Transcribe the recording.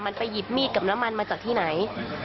มันไปหยิบมีดกับน้ำมันมาจากที่ไหน